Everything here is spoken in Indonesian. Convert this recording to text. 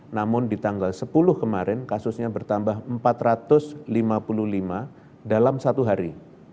namun di tanggal sepuluh kemarin kasusnya bertambah empat ratus lima puluh lima dalam satu hari